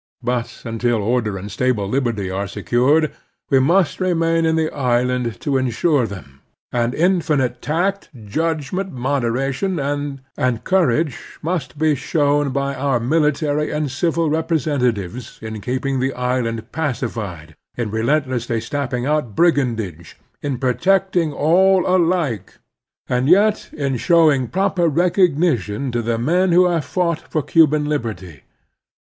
But tmtil order and stable liberty are secured, we must remain in the island to insure them, and infinite tact, judgment, moderation, and courage < The Strenuous Life 19 must be shown by otir military and civil repre sentatives in keeping the island pacified, in relent lessly stamping out brigandage, in protecting all alike, and yet in showing proper recognition to the men who have fought for Cuban liberty.